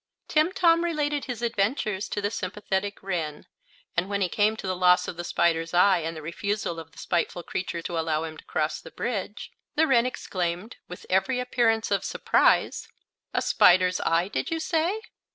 Timtom related his adventures to the sympathetic wren, and when he came to the loss of the spider's eye and the refusal of the spiteful creature to allow him to cross the bridge, the wren exclaimed, with every appearance of surprise: "A spider's eye, did you say?